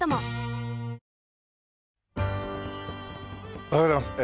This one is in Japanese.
おはようございます。